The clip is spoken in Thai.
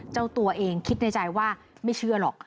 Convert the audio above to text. เจ้าตัวเองคิดในใจว่าไม่เชื่อหรอก